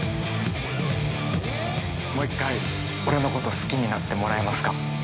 もう一回、俺のこと好きになってもらえますか？